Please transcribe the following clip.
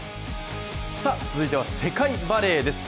続いては世界バレーです。